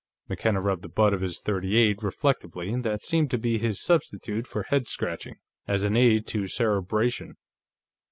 McKenna rubbed the butt of his .38 reflectively; that seemed to be his substitute for head scratching, as an aid to cerebration.